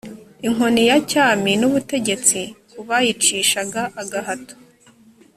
inkoni ya cyami n'ubutegetsi ku bayicishaga agahato